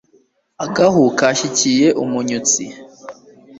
agahu kashyikiye umunyutsi